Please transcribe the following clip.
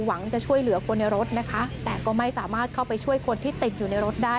หวังจะช่วยเหลือคนในรถนะคะแต่ก็ไม่สามารถเข้าไปช่วยคนที่ติดอยู่ในรถได้